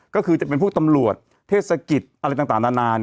ก็คือจะเป็นพวกตำรวจเทศกิจอะไรต่างนานา